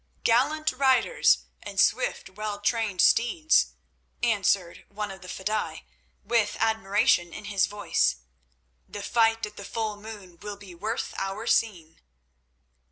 "Gallant riders and swift, well trained steeds," answered one of the fedaïs, with admiration in his voice. "The fight at the full moon will be worth our seeing."